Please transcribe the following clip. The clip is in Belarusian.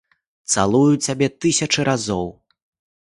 Цалую цябе тысячы разоў.